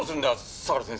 相良先生。